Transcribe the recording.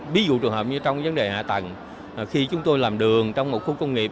ví dụ trường hợp như trong vấn đề hạ tầng khi chúng tôi làm đường trong một khu công nghiệp